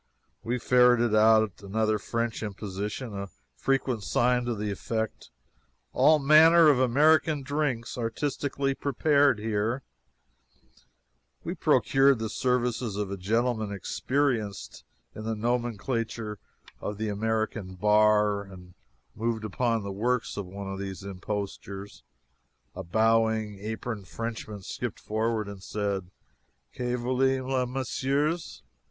We ferreted out another French imposition a frequent sign to this effect: "ALL MANNER OF AMERICAN DRINKS ARTISTICALLY PREPARED HERE." We procured the services of a gentleman experienced in the nomenclature of the American bar, and moved upon the works of one of these impostors. A bowing, aproned Frenchman skipped forward and said: "Que voulez les messieurs?"